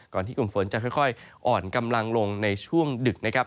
ที่กลุ่มฝนจะค่อยอ่อนกำลังลงในช่วงดึกนะครับ